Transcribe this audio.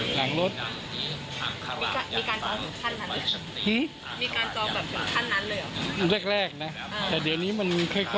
เป็นควรหรือเปล่าไม่ควรนะไม่สมควร